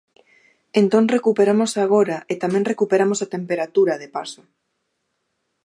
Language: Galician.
Entón recuperamos agora, e tamén recuperamos a temperatura, de paso.